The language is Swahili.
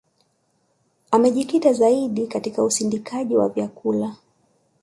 Amejikita zaidi katika usindikaji wa vyakula